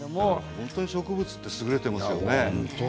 本当に植物って優れていますよね。